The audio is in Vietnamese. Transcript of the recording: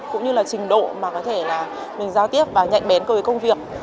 cũng như là trình độ mà có thể là mình giao tiếp và nhạy bén với công việc